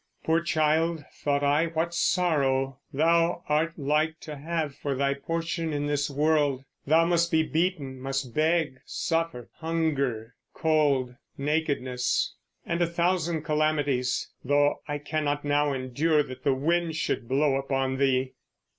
Poor child, thought I, what sorrow thou art like to have for thy portion in this world; thou must be beaten, must beg, suffer hunger, cold, nakedness, and a thousand calamities, though I cannot now endure that the wind should blow upon thee.